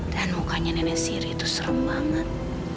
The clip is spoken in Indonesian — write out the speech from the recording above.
dan mukanya nenek sihir itu serem banget